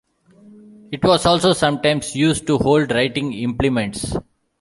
It was also sometimes used to hold writing implements.